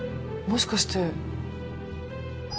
もしかして。